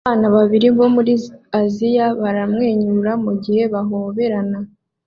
Abana babiri bo muri Aziya baramwenyura mugihe bahoberana